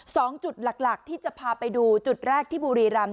สองจุดหลักที่จะพาไปดูจุดแรกที่บุรีรำ